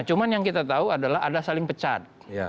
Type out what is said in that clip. cuma yang kita tahu adalah ada saling pecat